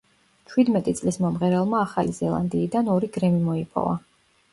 ჩვიდმეტი წლის მომღერალმა ახალი ზელანდიიდან, ორი „გრემი“ მოიპოვა.